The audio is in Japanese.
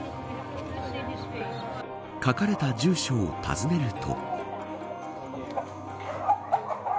書かれた住所を訪ねると。